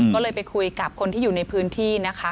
ก็เลยไปคุยกับคนที่อยู่ในพื้นที่นะคะ